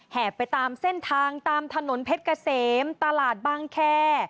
ไปตามเส้นทางตามถนนเพชรเกษมตลาดบางแค